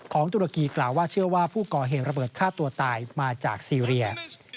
ตุรกีกล่าวว่าเชื่อว่าผู้ก่อเหตุระเบิดฆ่าตัวตายมาจากซีเรีย